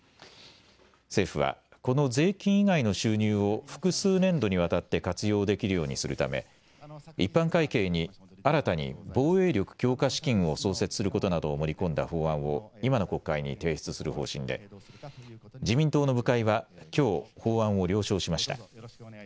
政府はこの税金以外の収入を複数年度にわたって活用できるようにするため一般会計に新たに防衛力強化資金を創設することなどを盛り込んだ法案を今の国会に提出する方針で自民党の部会はきょう法案を了承しました。